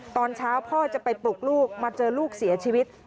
ตอนเช้าพ่อจะไปปลุกลูกมาเจอลูกเสียชีวิต